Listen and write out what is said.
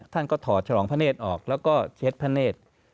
ท่านก็ถอดฉลองพระเนธออกแล้วก็เช็ดพระเนธ